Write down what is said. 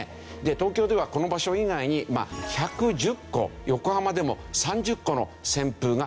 東京ではこの場所以外に１１０個横浜でも３０個の旋風が報告されてるんですね。